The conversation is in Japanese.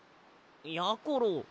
やころ